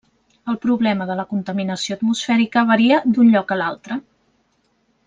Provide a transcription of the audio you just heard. El problema de la contaminació atmosfèrica varia d'un lloc a un altre.